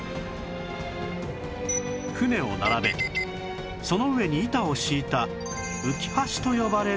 舟を並べその上に板を敷いた浮き橋と呼ばれる橋